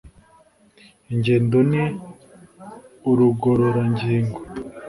ingendo ni urugororangingo,